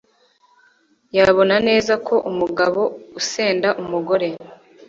yabona neza ko umugabo usenda umugore